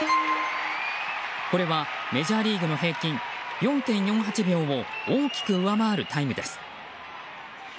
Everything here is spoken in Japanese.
これはメジャーリーグの平均４．４８秒を大きく上回るタイムです。